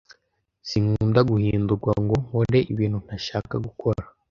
Sinkunda guhindurwa ngo nkore ibintu ntashaka gukora.